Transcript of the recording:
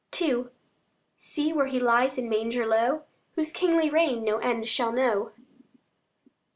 II See where He lies in manger low, Whose kingly reign no end shall know.